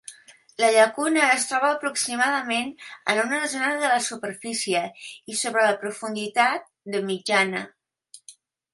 La llacuna es troba aproximadament en una zona de la superfície i sobre la profunditat, de mitjana.